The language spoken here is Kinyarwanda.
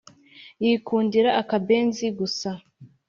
Yikundira akabenzi gusa